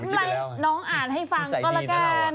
นายอ่านให้ฟังก็ละการ